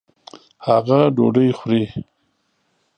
هغه ډوډۍ خوري